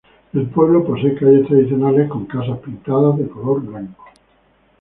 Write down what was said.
El pueblo posee calles tradicionales con casas pintadas color blanco.